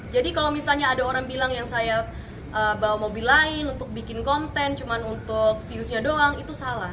jadi kalau misalnya ada orang bilang yang saya bawa mobil lain untuk bikin konten cuma untuk views nya doang itu salah